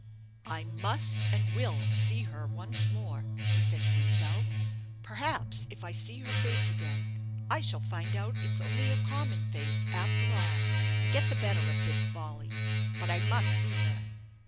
"I must and will see her once more," he said to himself; "perhaps, if I see her face again, I shall find out it's only a common face after all, and get the better of this folly. But I must see her.